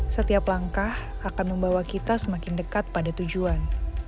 setiap langkah akan membawa kita semakin dekat pada tujuan